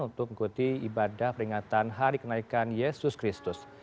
untuk mengikuti ibadah peringatan hari kenaikan yesus kristus